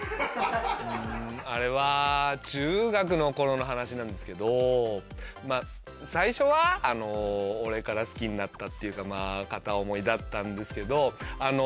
んあれは中学の頃の話なんですけど最初は俺から好きになったっていうか片思いだったんですけどあの。